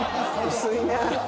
薄いな。